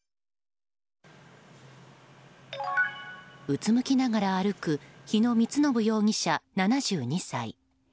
うつむきながら歩く日野充信容疑者、７２歳。